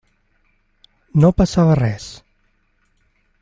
No passava res.